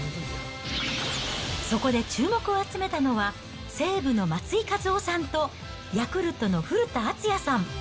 そこで注目を集めたのは、西武の松井稼頭央さんと、ヤクルトの古田敦也さん。